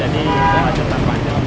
jadi kita ngacetan panjang